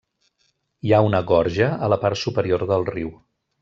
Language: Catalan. Hi ha una gorja a la part superior del riu.